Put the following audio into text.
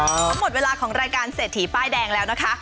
เขาหมดเวลาของรายการเศรษฐีป้ายแดงแล้วนะคะ